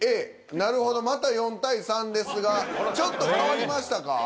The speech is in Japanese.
なるほどまた４対３ですがちょっと変わりましたか？